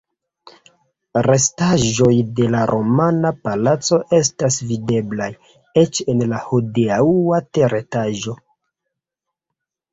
Restaĵoj de la romana palaco estas videblaj eĉ en la hodiaŭa teretaĝo.